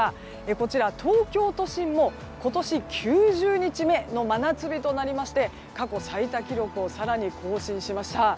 こちら東京都心も今年９０日目の真夏日となりまして過去最多記録を更に更新しました。